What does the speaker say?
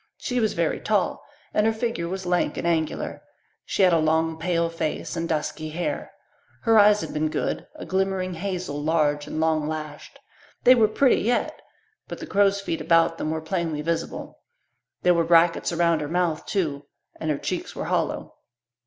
She was very tall and her figure was lank and angular. She had a long, pale face and dusky hair. Her eyes had been good a glimmering hazel, large and long lashed. They were pretty yet, but the crow's feet about them were plainly visible. There were brackets around her mouth too, and her cheeks were hollow.